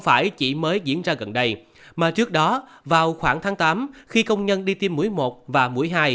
phải chỉ mới diễn ra gần đây mà trước đó vào khoảng tháng tám khi công nhân đi tiêm mũi một và mũi hai